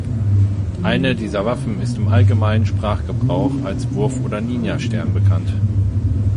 Eine dieser Waffen ist im allgemeinen Sprachgebrauch als Wurf- oder Ninja-Stern bekannt.